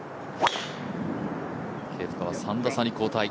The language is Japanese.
ケプカは３打差に後退。